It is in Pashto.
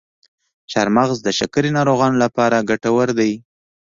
چارمغز د شکرې ناروغانو لپاره ګټور دی.